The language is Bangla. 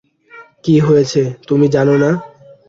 কী হয়েছে, তুমি জান না?